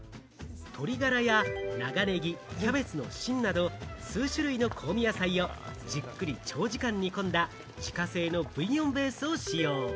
鶏がらや長ネギ、キャベツの芯など、数種類の香味野菜をじっくり長時間煮込んだ自家製のブイヨンベースを使用。